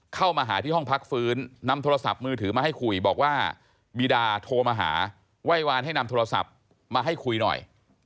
เข้ามาหาที่ห้องพักฟื้นนำโทรศัพท์มือถือมาให้คุยบอกว่าบีดาโทรมาหาไหว้วานให้นำโทรศัพท์มาให้คุยหน่อย